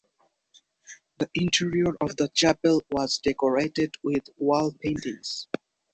The interior of the chapel was decorated with wall paintings.